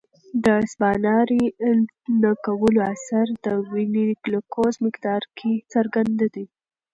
د سباناري نه کولو اثر د وینې ګلوکوز مقدار کې څرګند دی.